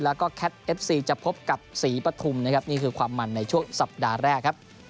แล้วก็แคทเอฟซีจะพบกับศรีปฐุมนะครับนี่คือความมันในช่วงสัปดาห์แรกครับ